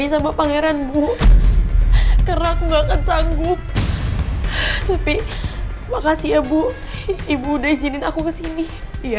sampai jumpa di video selanjutnya